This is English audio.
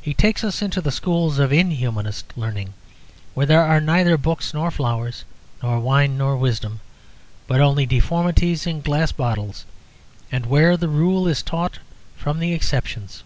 He takes us into the schools of inhumanist learning, where there are neither books nor flowers, nor wine nor wisdom, but only deformities in glass bottles, and where the rule is taught from the exceptions.